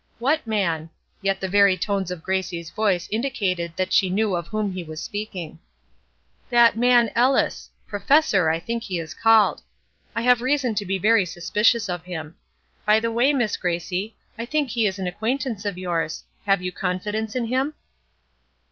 "What man?" Yet the very tones of Gracie's voice indicated that she knew of whom he was speaking. "That man, Ellis! Professor, I think he is called. I have reason to be very suspicious of him. By the way, Miss Gracie, I think he is an acquaintance of yours. Have you confidence in him?"